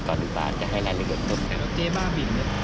แต่ละเกิดคุณแต่ละเกิดเจ๊บ้าบิน